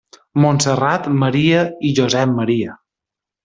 Montserrat, Maria i Josep Maria.